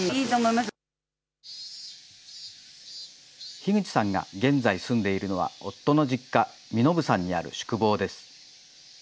樋口さんが現在住んでいるのは夫の実家、身延山にある宿坊です。